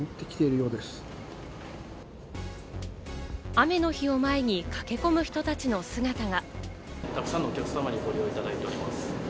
雨の日を前に駆け込む人たちの姿が。